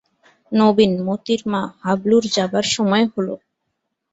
নবীন, মোতির মা, হাবলুর যাবার সময় হল।